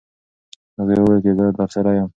هغې وویل چې زه درسره یم.